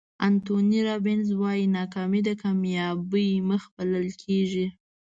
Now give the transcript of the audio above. انتوني رابینز وایي ناکامي د کامیابۍ مخ بلل کېږي.